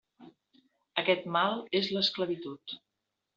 Aquest mal és l'esclavitud.